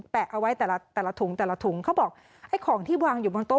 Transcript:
แปะเอาไว้แต่ละถุงแต่ละถุงเขาบอกของที่วางอยู่บนโต๊ะ